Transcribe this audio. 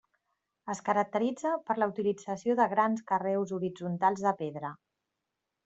Es caracteritza per la utilització de grans carreus horitzontals de pedra.